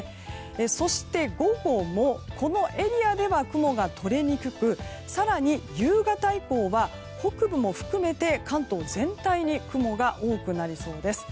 そして、午後もこのエリアでは雲が取れにくく更に夕方以降は北部も含めて関東全体に雲が多くなりそうです。